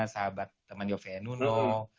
teman teman yofie nuno